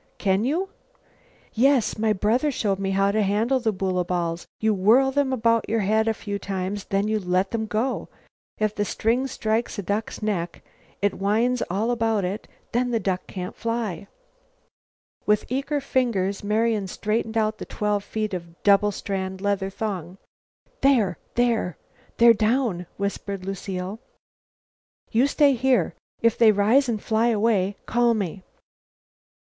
"Can you " "Yes, my brother showed me how to handle the boola balls. You whirl them about your head a few times, then you let them go. If the string strikes a duck's neck, it winds all about it; then the duck can't fly." With eager fingers Marian straightened out the twelve feet of double strand leather thong. "There! There! They're down!" whispered Lucile. "You stay here. If they rise and fly away, call me."